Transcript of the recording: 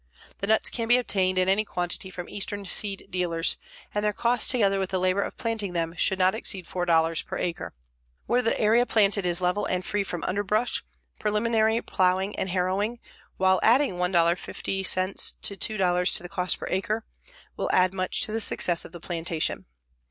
The nuts can be obtained in any quantity from eastern seed dealers, and their cost, together with the labor of planting them, should not exceed $4 per acre. Where the area planted is level and free from underbrush, preliminary plowing and harrowing, while adding $1.50 to $2 to the cost per acre, will add much to the success of the plantation.